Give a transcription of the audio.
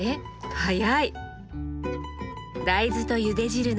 早い！